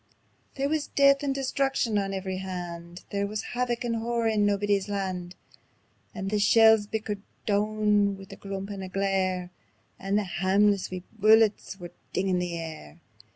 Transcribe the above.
There wis death and destruction on every hand; There wis havoc and horror on Naebuddy's Land. And the shells bickered doun wi' a crump and a glare, And the hameless wee bullets were dingin' the air.